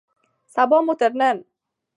سبا مو تر نن